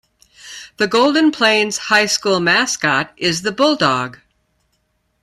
The Golden Plains High School mascot is the Bulldog.